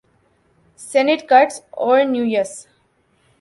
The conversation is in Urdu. سینٹ کٹس اور نیویس